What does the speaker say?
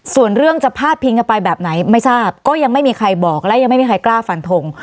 ส่วนเรื่องจะพาดพิงกันไปแบบไหนไม่ทราบก็ยังไม่มีใครบอกและยังไม่มีใครกล้าฟันทง